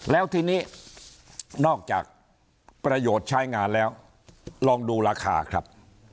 แล้วทีนี้นอกจากประโยชน์ใช้งานแล้วลองดูราคาครับ